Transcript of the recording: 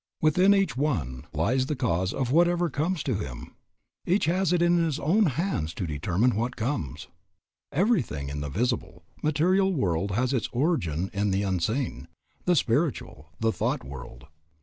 Within each one lies the cause of whatever comes to him. Each has it in his own hands to determine what comes. Everything in the visible, material world has its origin in the unseen, the spiritual, the thought world.